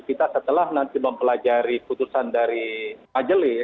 kita setelah nanti mempelajari putusan dari majelis